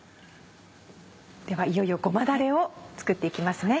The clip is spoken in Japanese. ではいよいよごまだれを作って行きますね。